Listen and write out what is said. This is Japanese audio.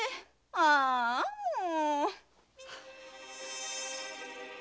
ああもう！